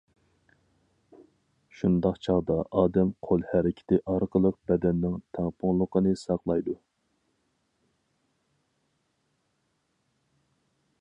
شۇنداق چاغدا ئادەم قول ھەرىكىتى ئارقىلىق بەدەننىڭ تەڭپۇڭلۇقىنى ساقلايدۇ.